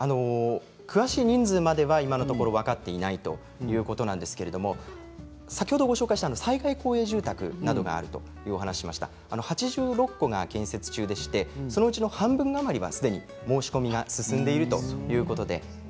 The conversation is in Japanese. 詳しい人数までは今のところ分かっていないということなんですが先ほどご紹介した災害公営住宅は８６戸が建設中でしてそのうちの半分余りはすでに申し込みが進んでいるということです。